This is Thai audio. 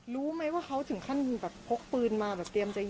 รู้ไหมว่าเขาถึงขั้นแบบพกปืนมาแบบเตรียมจะยิง